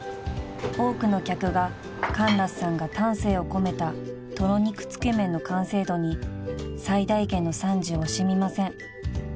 ［多くの客がカンラスさんが丹精を込めたとろ肉つけ麺の完成度に最大限の賛辞を惜しみません］